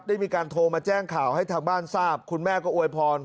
ได้มีการโทรมาแจ้งข่าวให้ทางบ้านทราบคุณแม่ก็อวยพร